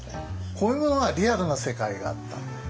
こういうものがリアルな世界があった。